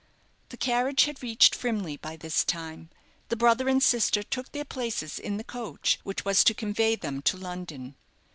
The carriage had reached Frimley by this time. The brother and sister took their places in the coach which was to convey them to London.